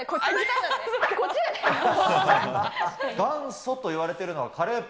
ンなの元祖といわれているのはカレ